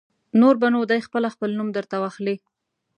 نور به نو دی خپله خپل نوم در ته واخلي.